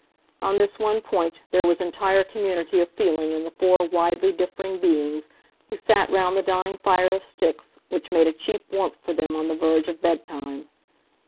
On this one point there was entire community of feeling in the four widely differing beings who sat round the dying fire of sticks, which made a cheap warmth for them on the verge of bedtime.